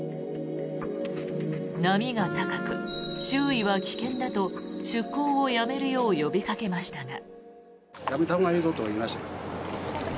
波が高く、周囲は危険だと出航をやめるよう呼びかけましたが。